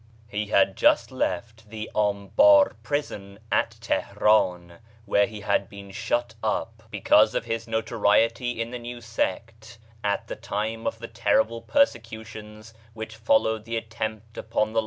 He had just left the Ambar prison at Tihran, where he had been shut up because of his notoriety in the new sect at the time of the terrible persecutions which followed the attempt upon the life of the Shah.